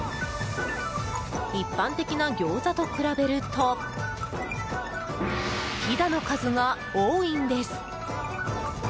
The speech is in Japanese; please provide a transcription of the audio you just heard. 一般的なギョーザと比べるとひだの数が多いんです。